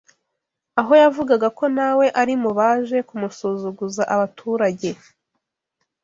aho yavugaga ko nawe ari mu baje kumusuzuguza abaturage